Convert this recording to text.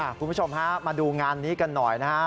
คุณผู้ชมฮะมาดูงานนี้กันหน่อยนะฮะ